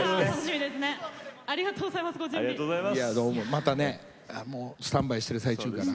またね、スタンバイしてる最中だから。